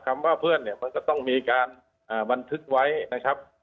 ว่าเพื่อนเนี่ยมันก็ต้องมีการบันทึกไว้นะครับ